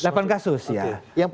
delapan kasus ya